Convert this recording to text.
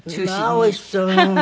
まあおいしそう！